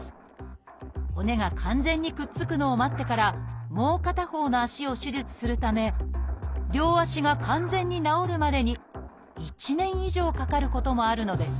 骨が完全にくっつくのを待ってからもう片方の足を手術するため両足が完全に治るまでに１年以上かかることもあるのです。